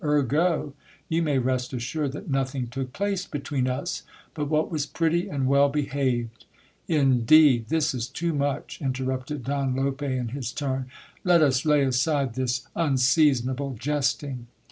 Ergo, you may rest assured that nothing took place between us but what was pretty and well behaved. Indeed ! This is too much, inter rupted Don Lope in his turn ; let us lay aside this unseasonable jesting.